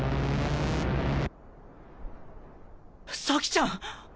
咲ちゃん！